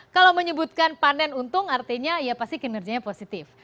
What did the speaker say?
kalau menyebutkan panen untung artinya ya pasti kinerjanya positif